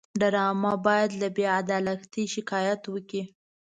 ډرامه باید له بېعدالتۍ شکایت وکړي